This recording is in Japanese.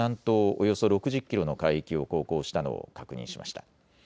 およそ６０キロの海域を航行したのを確認しました。